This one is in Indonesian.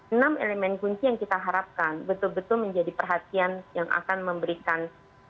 enam elemen kunci yang kita harapkan betul betul menjadi perhatian yang akan memberikan